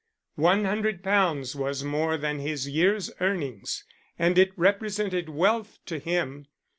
One hundred pounds was more than his year's earnings, and it represented wealth to him.